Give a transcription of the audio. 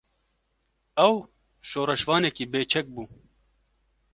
Ew, şoreşvanekî bê çek bû